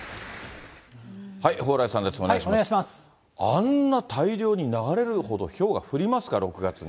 あんな大量に流れるほどひょうが降りますか、６月に。